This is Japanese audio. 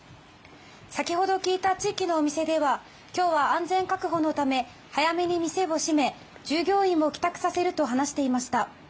先ほど聞いた地域のお店では今日は安全確保のため早めに店を閉め従業員も帰宅させると話していました。